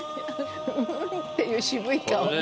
「うん」っていう渋い顔で。